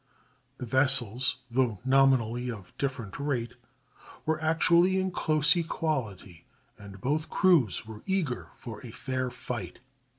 The vessels, though nominally of different rate, were actually in close equality, and both crews were eager for a fair fight.